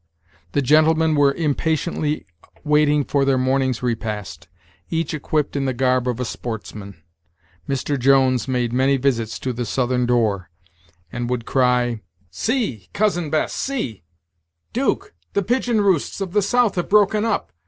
The gentlemen were impatiently waiting for their morning's repast, each equipped in the garb of a sportsman. Mr. Jones made many visits to the southern door, and would cry: "See, Cousin Bess! see, 'Duke, the pigeon roosts of the south have broken up!